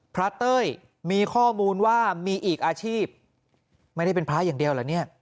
เต้ยมีข้อมูลว่ามีอีกอาชีพไม่ได้เป็นพระอย่างเดียวเหรอเนี่ย